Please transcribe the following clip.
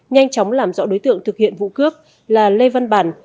nhanh chóng làm rõ đối tượng thực hiện vụ cướp là lê văn bản